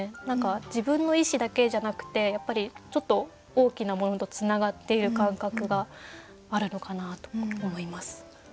何か自分の意思だけじゃなくて大きなものとつながっている感覚があるのかなと思います。